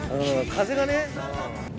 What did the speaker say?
風がね。